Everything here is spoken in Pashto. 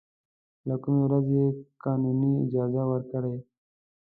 له کومې ورځې یې قانوني اجازه ورکړې.